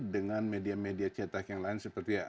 dengan media media cetak yang lain seperti